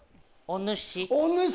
お主。